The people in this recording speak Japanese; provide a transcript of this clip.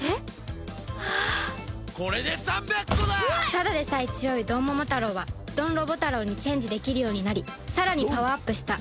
ただでさえ強いドンモモタロウはドンロボタロウにチェンジできるようになりさらにパワーアップした